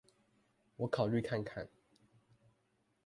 我考慮看看